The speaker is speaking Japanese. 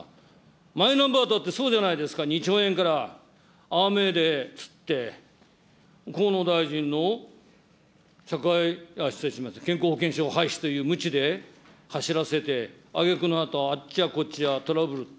マイナンバーだってそうじゃないですか、２兆円からあめで釣って、河野大臣の、社会、失礼しました、健康保険証廃止というむちで走らせて、挙句の果て、あっちやこっちトラブル。